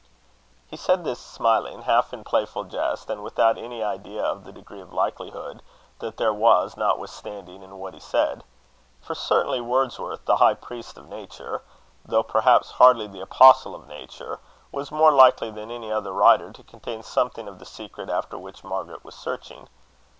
He said this smiling, half in playful jest, and without any idea of the degree of likelihood that there was notwithstanding in what he said. For, certainly, Wordsworth, the high priest of nature, though perhaps hardly the apostle of nature, was more likely than any other writer to contain something of the secret after which Margaret was searching.